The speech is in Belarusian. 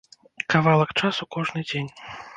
Кавалак часу кожны дзень.